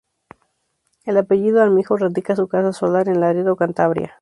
El apellido Armijo radica su casa solar en Laredo, Cantabria.